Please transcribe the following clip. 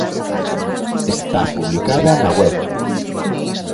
¡Está publicada na web!